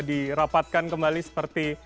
dirapatkan kembali seperti